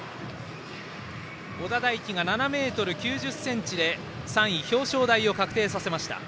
小田大樹が７ｍ９０ｃｍで３位表彰台を確定させました。